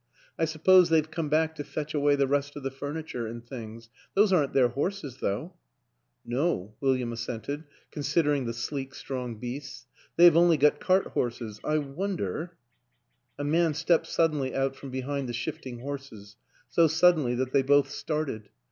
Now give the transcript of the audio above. ... I suppose they've come back to fetch away the rest of the furniture, and things those aren't their horses, though !"" No," William assented, considering the sleek strong beasts, " they have only got cart horses. ... I wonder." ... A man stepped suddenly out from behind the shifting horses so suddenly that they both started.